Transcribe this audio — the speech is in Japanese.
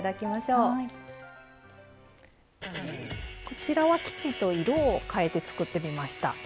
こちらは生地と色を変えて作ってみました。